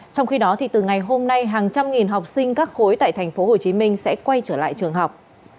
trong khi đó từ ngày hôm nay hàng trăm nghìn học sinh các khối tại tp hcm sẽ quay trở lại trường học